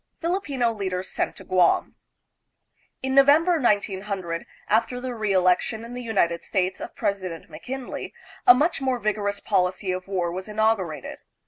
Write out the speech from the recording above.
Filipino Leaders Sent to Guam. In November, 1900, : after the reelection in the United States of President McKinley, a much more vigorous policy of war was inaugurated.